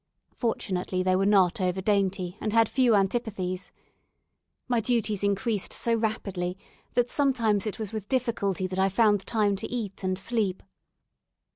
Fortunately they were not over dainty, and had few antipathies. My duties increased so rapidly, that sometimes it was with difficulty that I found time to eat and sleep.